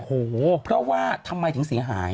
โอ้โหเพราะว่าทำไมถึงเสียหาย